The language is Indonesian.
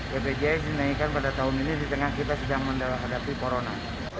bpjs dinaikkan pada tahun ini di tengah kita sedang menghadapi corona